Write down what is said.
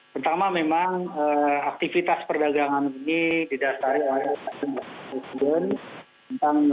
pertama memang aktivitas perdagangan ini didasari oleh pak gubernur dki jakarta tentang unrwa